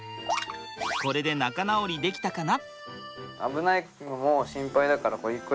これで仲直りできたかな？